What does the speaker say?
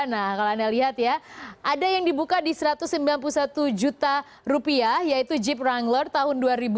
nah kalau anda lihat ya ada yang dibuka di satu ratus sembilan puluh satu juta rupiah yaitu jeep runler tahun dua ribu dua puluh